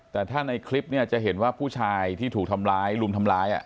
แต่ถ้าในคลิปเนี่ยจะเห็นว่าผู้ชายที่ถูกทำร้ายรุมทำร้าย